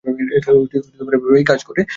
এটা এভাবেই কাজ করে।